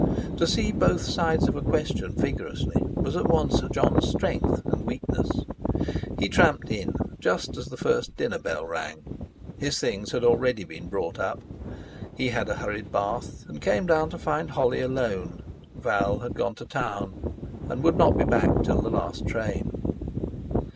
To see both sides of a question vigorously was at once Jon's strength and weakness. He tramped in, just as the first dinner bell rang. His things had already been brought up. He had a hurried bath and came down to find Holly alone—Val had gone to Town and would not be back till the last train.